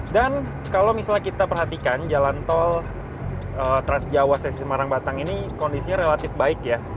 kalau misalnya kita perhatikan jalan tol transjawa sesi semarang batang ini kondisinya relatif baik ya